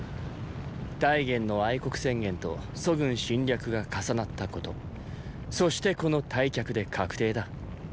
太原の国宣言と楚軍侵略が重なったことそしてこの退却で確定だ。